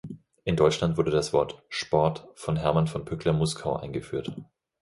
In Deutschland wurde das Wort „Sport“ von Hermann von Pückler-Muskau eingeführt.